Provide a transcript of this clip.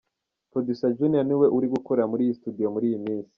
Producer Junior ni we uri gukorera muri iyi studio muri iyi minsi.